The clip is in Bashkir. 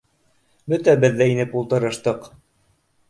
Бөтәбеҙ ҙә инеп ултырыштыҡ.